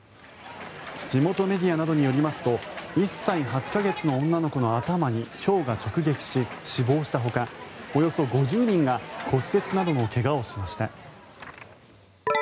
地元メディアなどによりますと１歳８か月の女の子の頭にひょうが直撃し死亡したほかおよそ５０人が骨折などの怪我をしました。